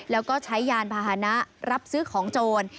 แล้วก็ใช้ยานพาหนะรับซื้อของโจร